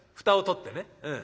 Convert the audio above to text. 蓋を取ってね。